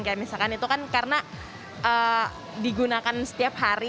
kayak misalkan itu kan karena digunakan setiap hari